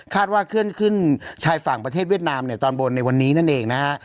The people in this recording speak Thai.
ว่าเคลื่อนขึ้นชายฝั่งประเทศเวียดนามเนี่ยตอนบนในวันนี้นั่นเองนะฮะ